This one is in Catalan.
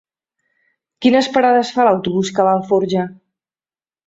Quines parades fa l'autobús que va a Alforja?